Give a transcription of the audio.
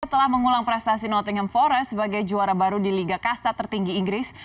setelah mengulang prestasi nottingham forest sebagai juara baru di liga kasta tertinggi inggris